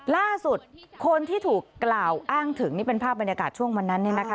ล่าสุดคนที่ถูกกล่าวอ้างถึงนี่เป็นภาพบรรยากาศช่วงวันนั้นเนี่ยนะคะ